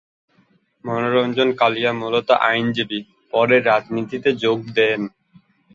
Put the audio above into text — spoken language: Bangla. মনোরঞ্জন কালিয়া মূলত আইনজীবী, পরে রাজনীতিতে যোগ দেন।